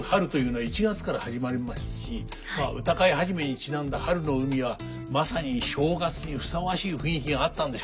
歌会始にちなんだ「春の海」はまさに正月にふさわしい雰囲気があったんでしょうね。